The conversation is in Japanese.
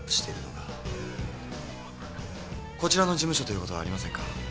こちらの事務所ということはありませんか？